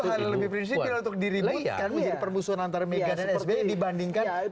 itu hal yang lebih prinsip untuk diributkan menjadi permusuhan antara amerika dan sbi dibandingkan hal lain